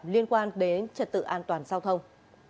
liên quan đến trật tự an toàn giao thông